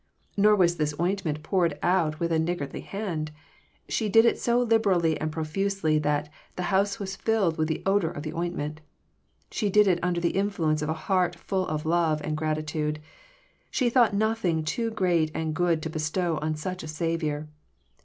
Nor was this ointment poured on with a niggardly hand. She did it so liberally and profusely that ''the house was filled with the odour of the ointment." She did it under the infiuence of a heart full of love and gratitude. She thought nothing too great and good to bestow on such a Saviour.